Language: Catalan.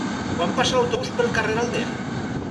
Quan passa l'autobús pel carrer Aldea?